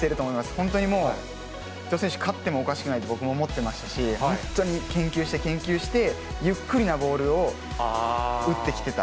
本当にもう、伊藤選手、勝ってもおかしくないと僕も思ってましたし、本当に研究して研究して、ゆっくりなボールを打ってきてた。